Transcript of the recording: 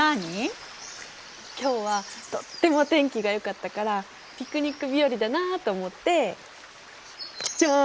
今日はとっても天気がよかったからピクニック日和だなあと思ってジャン！